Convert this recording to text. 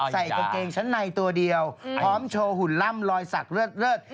ใส่กางเกงชั้นในตัวเดียวพร้อมโชว์หุ่นล่ำรอยสักเลิศ